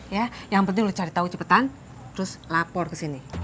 ya yang penting cari tahu cepetan terus lapor ke sini